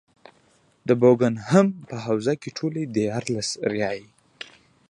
د بوکنګهم په حوزه کې ټولې دیارلس رایې.